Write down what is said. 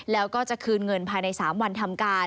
และก็การคืนเงินภายในสามวันทำการ